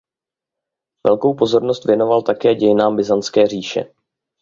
Velkou pozornost věnoval také dějinám Byzantské říše.